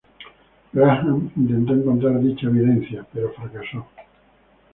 Graham intentó encontrar dicha evidencia, pero fracasó.